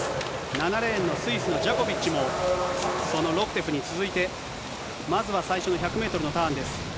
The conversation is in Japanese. ７レーンのスイスのジャコビッチも、そのロクテフに続いて、まずは最初の１００メートルのターンです。